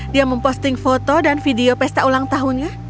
dia memposting foto dan video pesta ulang tahunnya